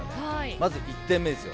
まず１点目ですよ。